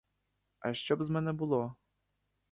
А що б з мене було?